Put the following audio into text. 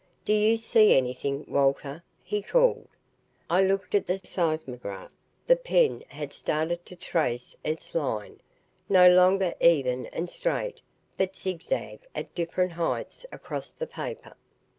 "Do you see anything, Walter?" he called. I looked at the seismograph. The pen had started to trace its line, no longer even and straight, but zigzag, at different heights across the paper.